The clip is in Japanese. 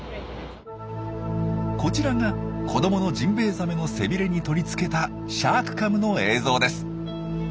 こちらが子どものジンベエザメの背ビレに取り付けたシャークカムの映像です。